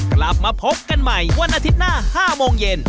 กลับมาพบกันใหม่วันอาทิตย์หน้า๕โมงเย็น